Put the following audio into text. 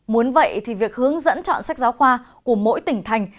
muốn vậy thì việc hướng dẫn chọn sách giáo khoa của mỗi tỉnh thành